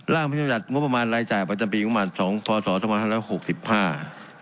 ร่างพิจารณ์จัดงบมานรายจ่ายประจำปีงบมานสองพศสมทั้งละหกสิบห้า